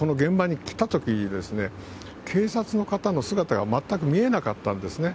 実際にですね、私どもがこの現場に来たときに、警察の方の姿が全く見えなかったんですね。